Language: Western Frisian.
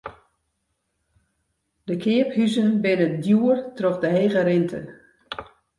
De keaphuzen binne djoer troch de hege rinte.